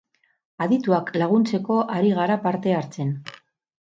Adituak laguntzeko ari gara parte hartzen.